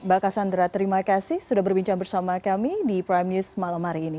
mbak cassandra terima kasih sudah berbincang bersama kami di prime news malam hari ini